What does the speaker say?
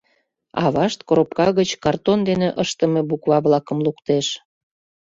Авашт коробка гыч картон дене ыштыме буква-влакым луктеш.